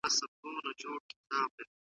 بس تیندکونه خورمه ,